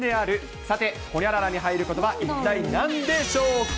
さて、ホニャララに入ることば、一体なんでしょうか？